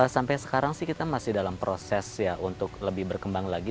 sampai sekarang sih kita masih dalam proses ya untuk lebih berkembang lagi